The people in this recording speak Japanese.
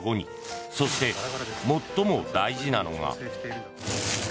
そして、最も大事なのが。